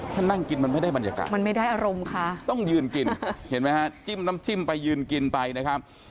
ถ้านั่งกินมันไม่ได้บรรยากาศมันไม่ได้อารมณ์ค่ะต้องยืนกินเห็นไหมฮะจิ้มน้ำจิ้มไปยืนกินไปนะครับ